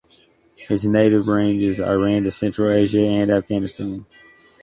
Its native range is Iran to Central Asia and Afghanistan.